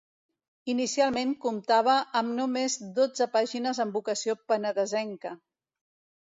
Inicialment comptava amb només dotze pàgines amb vocació penedesenca.